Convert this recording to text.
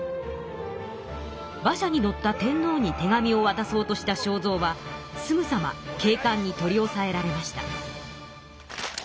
馬車に乗った天皇に手紙をわたそうとした正造はすぐさま警官に取りおさえられました。